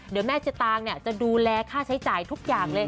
เดี๋ยวแม่เจ๊ตางจะดูแลค่าใช้จ่ายทุกอย่างเลย